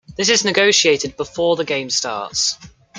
This is negotiated before the game starts.